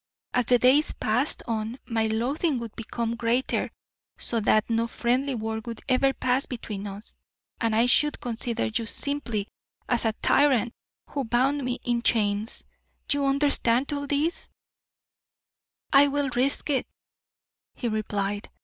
As the days passed on, my loathing would become greater, so that no friendly word would ever pass between us, and I should consider you simply as a tyrant who bound me in chains. You understand all this?" "I will risk it," he replied.